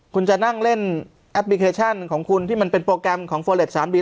คุณจะนั่งเล่นแอปพลิเคชันของคุณที่มันเป็นโปรแกรมของโฟเล็ตสามี